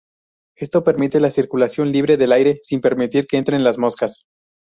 Esto permite la circulación libre del aire sin permitir que entren las moscas.